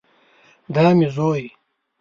دا مې زوی